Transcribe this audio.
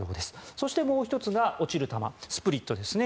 そして、もう１つが落ちる球スプリットですね。